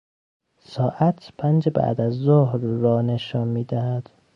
ساعت پنج بعدازظهر را نشان میدهد.